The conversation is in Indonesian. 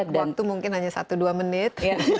waktu mungkin hanya satu dua menit